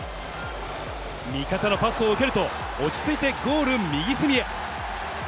味方のパスを受けると、落ち着いてゴール右隅へ。